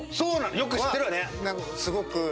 すごく。